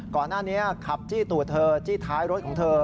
ก่อนหน้านี้ขับจี้ตัวเธอจี้ท้ายรถของเธอ